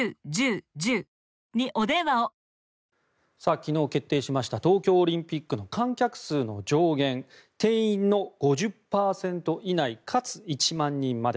昨日、決定しました東京オリンピックの観客数の上限定員の５０％以内かつ１万人まで。